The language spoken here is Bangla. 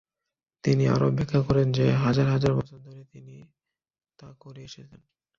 তিনি আরও ব্যাখ্যা করেন যে, হাজার হাজার বছর ধরে তিনি তা করে এসেছেন।